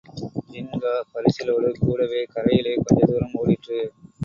ஜின்கா பரிசலோடு கூடவே கரையிலே கொஞ்ச தூரம் ஓடிற்று.